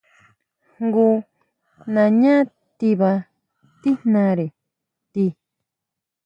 Jngu nañá tiba tíjnare ti.